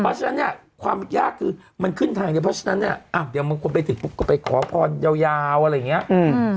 เพราะฉะนั้นเนี้ยความยากคือมันขึ้นทางเดียวเพราะฉะนั้นเนี้ยอ่ะเดี๋ยวมันควรไปติดปุ๊บก็ไปขอพรเยาว์เยาว์อะไรอย่างเงี้ยอืม